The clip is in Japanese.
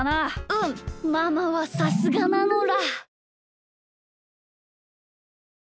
うんママはさすがなのだ！